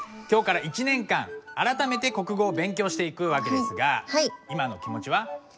今日から１年間あらためて国語を勉強していく訳ですが今の気持ちは？